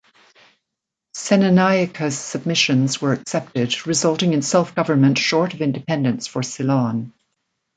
Senanayake's submissions were accepted, resulting in self-government short of independence for Ceylon.